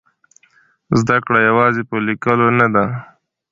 زده کړه یوازې په لیکلو نه ده.